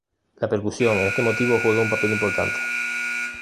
La percusión en este motivo juega un papel importante.